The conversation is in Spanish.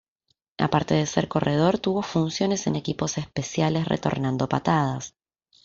Aparte de ser corredor tuvo funciones en equipos especiales retornando patadas.